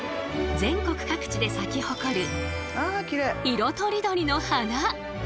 全国各地で咲き誇る色とりどりの花。